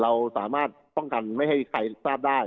เราสามารถป้องกันไม่ให้ใครทราบได้